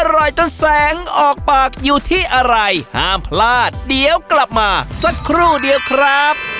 อร่อยจนแสงออกปากอยู่ที่อะไรห้ามพลาดเดี๋ยวกลับมาสักครู่เดียวครับ